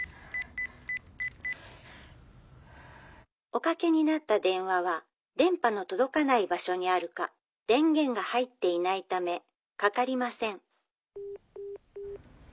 「おかけになった電話は電波の届かない場所にあるか電源が入っていないためかかりません」。